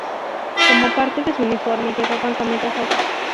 Como parte de su uniforme llevaban camisas rojas.